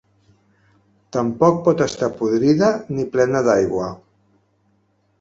Tampoc pot estar podrida ni plena d'aigua.